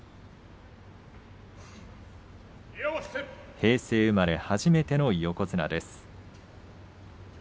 平成生まれ、初めての横綱。